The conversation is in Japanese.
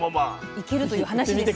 いけるという話です。